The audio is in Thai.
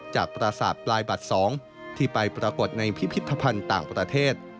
ประสาทปลายบัตร๒ที่ไปปรากฏในพิพิธภัณฑ์ต่างประเทศ